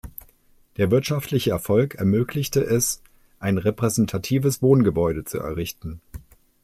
Der wirtschaftliche Erfolg ermöglichte es, ein repräsentatives Wohngebäude zu errichten.